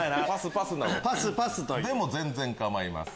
パスパスでも全然構いません。